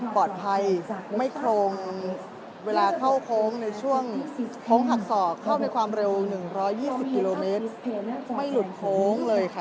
ปลอดภัยไม่โครงเวลาเข้าโค้งในช่วงโค้งหักศอกเข้าไปความเร็ว๑๒๐กิโลเมตรไม่หลุดโค้งเลยค่ะ